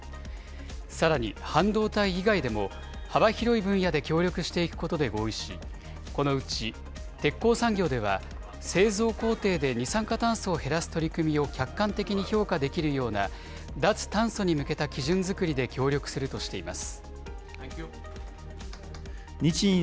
さらに、半導体以外でも幅広い分野で協力していくことで合意し、このうち鉄鋼産業では、製造工程で二酸化炭素を減らす取り組みを客観的に評価できるような脱炭素に向けた基準作りで協力するとしています。